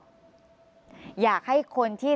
สวัสดีครับ